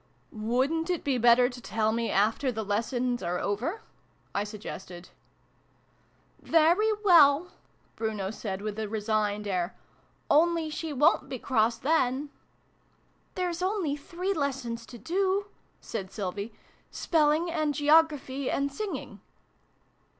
" Wouldn't it be better to tell me after the lessons are over ?" I suggested. " Very well," Bruno said with a resigned air :" only she wo'n't be cross then." " There's only three lessons to do," said Sylvie. "Spelling, and Geography, and Singing."